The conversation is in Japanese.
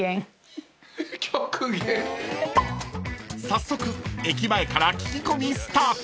［早速駅前から聞き込みスタート］